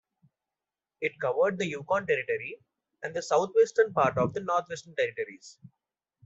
It covered the Yukon Territory, and the southwestern part of the Northwest Territories.